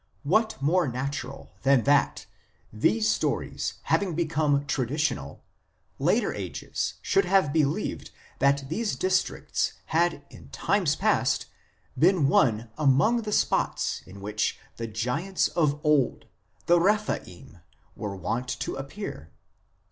What more natural than that, these stories having become traditional, later ages should have believed that these districts had in times past been one among the spots in which the " giants of old," the Rephaim, were wont to appear